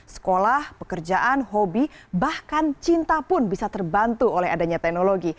sekolah pekerjaan hobi bahkan cinta pun bisa terbantu oleh adanya teknologi